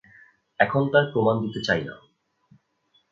এখন তার প্রমাণ দিতে চাই না।